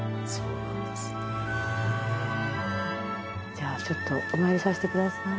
じゃあちょっとお参りさせてください。